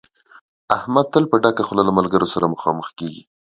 احمد تل په ډکه خوله له ملګرو سره مخامخ کېږي.